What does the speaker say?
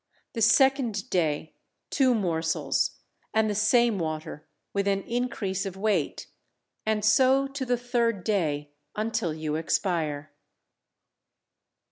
The second day two morsels and the same water, with an increase of weight, and so to the third day until you expire.